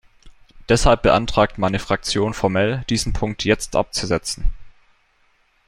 Deshalb beantragt meine Fraktion formell, diesen Punkt jetzt abzusetzen!